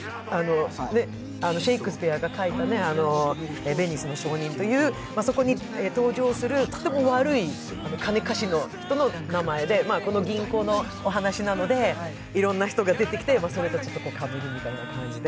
シェイクスピアが書いた「ヴェニスの商人」という、そこに登場するとても悪い金貸しの人の名前でこの銀行のお話なので、いろんな人が出てきてそれとかぶるみたいな感じで。